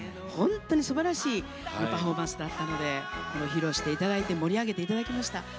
本当にすばらしいパフォーマンスだったので披露していただいて盛り上げていただきました。